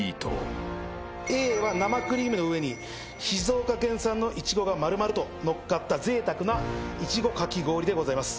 Ａは生クリームの上に静岡県産のいちごが丸々とのっかったぜいたくないちごかき氷でございます。